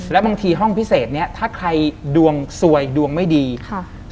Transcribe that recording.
แล้วบางทีห้องพิเศษเนี้ยถ้าใครดวงสวยดวงไม่ดีค่ะ